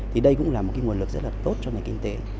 thì đây cũng là một nguồn lực rất là tốt cho người kinh tế